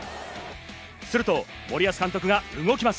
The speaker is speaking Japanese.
すると森保監督が動きます。